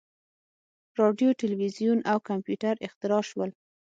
• راډیو، تلویزیون او کمپیوټر اختراع شول.